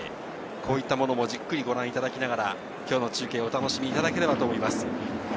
こういったものもじっくりご覧いただきながら、今日の中継をお楽しみいただければと思います。